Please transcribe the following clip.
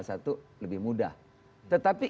satu lebih mudah tetapi